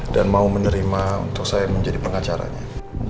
dan mau menerima untuk saya menjadi pengacaranya